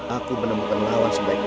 aku menemukan lawan sebaik kau